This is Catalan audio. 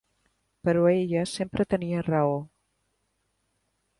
Però ella sempre tenia raó.